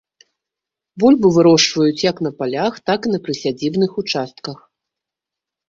Бульбу вырошчваюць як на палях, так і на прысядзібных участках.